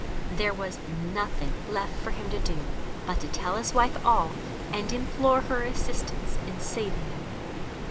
There was nothing left for him to do but to tell his wife all and implore her assistance in saving him.